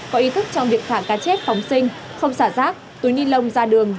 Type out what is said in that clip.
có ý thức trong việc thả cá chết phóng sinh không xả rác túi ni lông ra đường